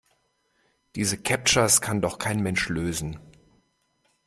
Diese Captchas kann doch kein Mensch lösen!